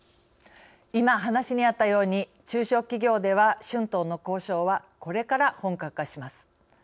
今、話にあったように中小企業では、春闘の交渉はこれから本格化します。